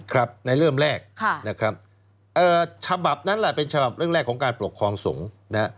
ครับในเริ่มแรกนะครับฉบับนั้นแหละเป็นฉบับเรื่องแรกของการปกครองสงฆ์นะฮะ